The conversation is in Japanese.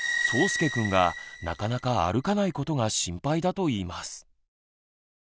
そうすけくんがなかなか歩かないことが心配だといいます。